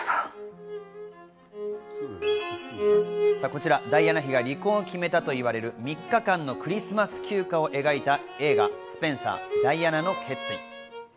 こちらダイアナ妃が離婚を決めたと言われる３日間のクリスマス休暇を描いた映画『スペンサーダイアナの決意』。